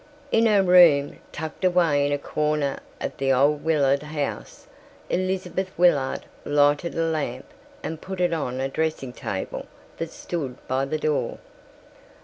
In her room, tucked away in a corner of the old Willard House, Elizabeth Willard lighted a lamp and put it on a dressing table that stood by the door.